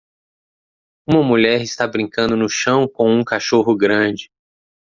Uma mulher está brincando no chão com um cachorro grande.